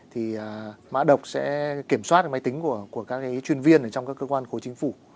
thì mã độc sẽ kiểm soát máy tính của các chuyên viên ở trong các cơ quan khối chính phủ